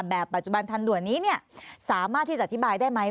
แบบปัจจุบันทันต่วนนี้ไหนสามารถที่สธิบายได้ไหม